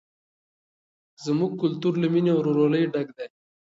زموږ کلتور له مینې او ورورولۍ ډک دی.